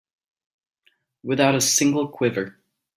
Without a single quiver.